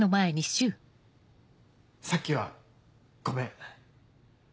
さっきはごめん。